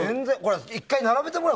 １回並べてもらおう。